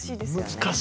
難しいね。